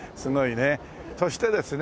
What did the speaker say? そしてですね